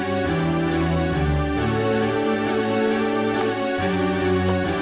oh kamu mau ke cidahu